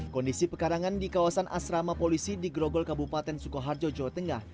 kondisi pekarangan di kawasan asrama polisi di grogol kabupaten sukoharjo jawa tengah